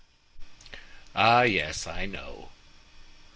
"Ah, yes, I know."